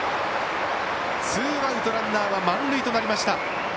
ツーアウト、ランナーは満塁となりました。